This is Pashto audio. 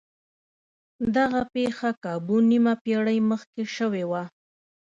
دغه پېښه کابو نيمه پېړۍ مخکې شوې وه.